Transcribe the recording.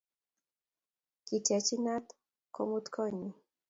Kiteech inat komuut konyyi